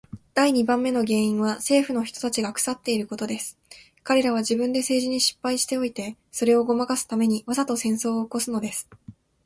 第二番目の原因は政府の人たちが腐っていることです。彼等は自分で政治に失敗しておいて、それをごまかすために、わざと戦争を起すのです。